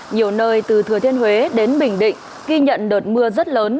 nhiều nơi từ thừa thiên huế đến bình định ghi nhận đợt mưa rất lớn